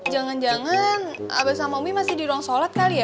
jangan jangan abe sama om masih di ruang sholat kali ya